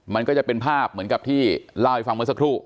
มันก็จะเป็นภาพเหมือนกับที่เล่าให้ฟังเมื่อสักครู่